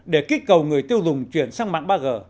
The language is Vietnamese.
để kích cầu người tiêu dùng chuyển sang mạng ba g